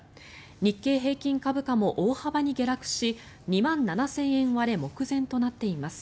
日経平均株価も大幅に下落し２万７０００円割れ目前となっています。